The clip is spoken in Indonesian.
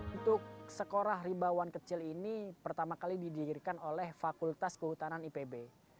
untuk sekolah ribawan kecil ini pertama kali didirikan oleh fakultas kehutanan ipb